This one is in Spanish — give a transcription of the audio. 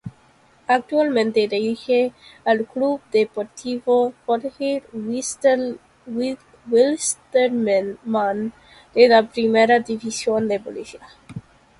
Actualmente dirige al Club Deportivo Jorge Wilstermann de la Primera División de Bolivia.